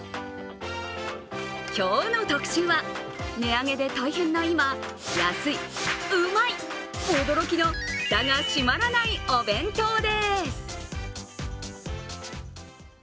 今日の特集は、値上げで大変な今安い、うまい、驚きのフタが閉まらないお弁当です。